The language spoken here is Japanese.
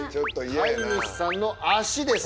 ⁉飼い主さんの足です！